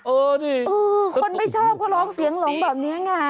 คนไม่ชอบก็ร้องเสียงหลงแบบนี้ไง